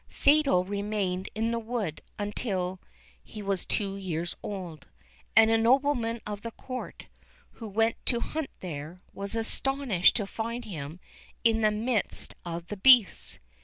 Fatal remained in the wood until he was two years old; and a nobleman of the Court, who went to hunt there, was astonished to find him in the midst of the beasts.